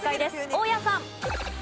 大家さん。